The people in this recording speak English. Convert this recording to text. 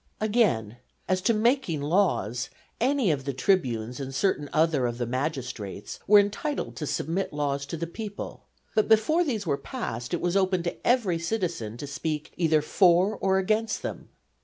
Again, as to making laws, any of the tribunes and certain others of the magistrates were entitled to submit laws to the people; but before these were passed it was open to every citizen to speak either for or against them.